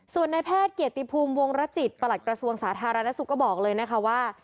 ส่วนในแพทย์เกียรติภูมิวงรจิตประหลัดกระทรวงสาธารณสุขก็บอกเลยนะคะว่า